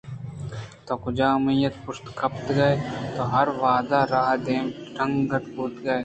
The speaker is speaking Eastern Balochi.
توکجا اُمیت پشت گیتکگ تو ہر وہدءَراہ ءِ دیمے ڈنّگر بوتگئے